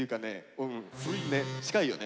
うん近いよね。